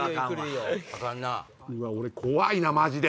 怖いなマジで！